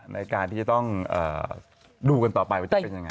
ในการที่จะต้องดูกันต่อไปว่าจะเป็นยังไง